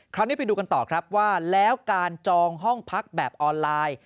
คราวนี้ไปดูกันต่อครับว่าแล้วการจองห้องพักแบบออนไลน์